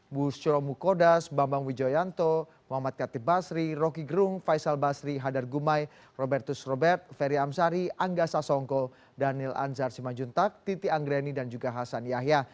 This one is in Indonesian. bushro mukodas bambang wijoyanto muhammad katib basri roky gerung faisal basri hadar gumai robertus robert ferry amsari angga sasongko daniel anzar simanjuntak titi anggreni dan juga hasan yahya